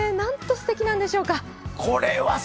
すてきなんでしょうか。